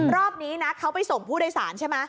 รอบนี้นะเขาไปส่งผู้โดยสารใช่ไหม